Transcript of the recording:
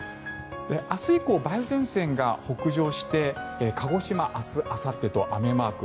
明日以降、梅雨前線が北上して鹿児島明日あさってと雨マーク。